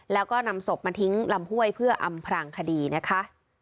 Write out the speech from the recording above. แล้วก็นำศพมาทิ้งลำห้วยเพื่ออำพรางคดีนะคะ